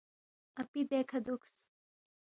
اپی دیکھہ دُوکس